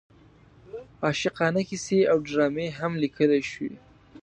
عاشقانه کیسې او ډرامې هم لیکل شوې.